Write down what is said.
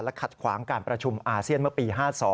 ขัดขวางการประชุมอาเซียนเมื่อปี๕๒